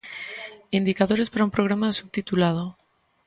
Indicadores para un programa de subtitulado.